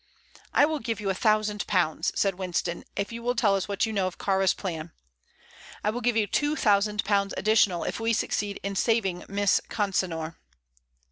"I will give you a thousand pounds," said Winston, "if you will tell us what you know of Kāra's plans. I will give you two thousand pounds additional if we succeed in saving Miss Consinor."